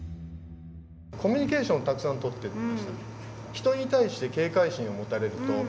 コミュニケーションをたくさんとっていました。